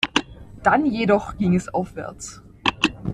Dann jedoch ging es aufwärts.